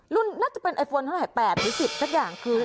น่าจะเป็นไอโฟนเท่าไหร่๘หรือ๑๐สักอย่างคือ